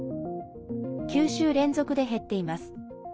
９週連続で減っています。